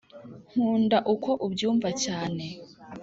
nkunda uko ubyumva cyane